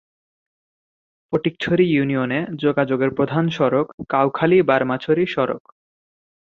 ফটিকছড়ি ইউনিয়নে যোগাযোগের প্রধান সড়ক কাউখালী-বার্মাছড়ি সড়ক।